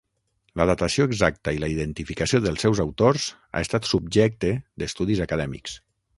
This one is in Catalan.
La datació exacta i la identificació dels seus autors ha estat subjecte d'estudis acadèmics.